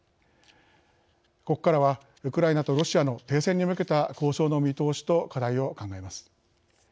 ここからはウクライナとロシアの停戦に向けた交渉の見通しと課題を考えます。